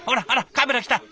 カメラ来た！